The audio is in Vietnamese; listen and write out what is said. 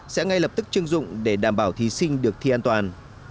sẽ ngay lập tức chưng dụng để đảm bảo thí sinh được thi an toàn